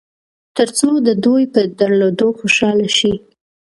تر څو د دوی په درلودلو خوشاله شئ.